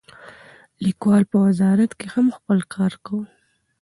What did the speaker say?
لیکوال په وزارت کې هم خپل کار کاوه.